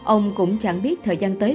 ông cũng chẳng biết thời gian tới